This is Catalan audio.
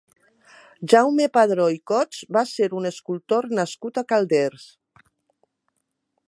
Jaume Padró i Cots va ser un escultor nascut a Calders.